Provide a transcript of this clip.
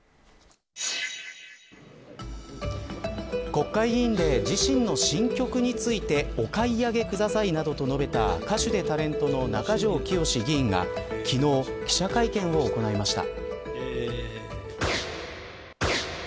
国会議員で自身の新曲についてお買い上げください、などと述べた歌手でタレントの中条きよし議員が昨日記者会見を行いました。